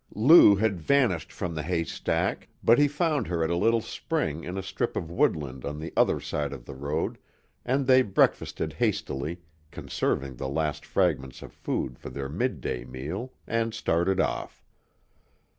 Lou had vanished from the haystack, but he found her at a little spring in a strip of woodland on the other side of the road, and they breakfasted hastily, conserving the last fragments of food for their midday meal, and started off.